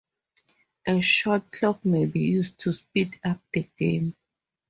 A shot clock may be used to speed up the game.